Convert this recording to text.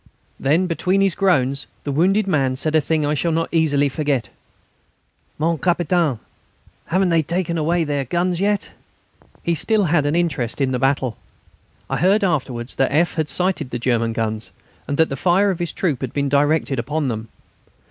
Then between his groans the wounded man said a thing I shall not easily forget: "Mon Capitaine, ... haven't they taken away their guns yet?" He still took an interest in the battle. I heard afterwards that F. had sighted the German guns, and that the fire of his troop had been directed upon them.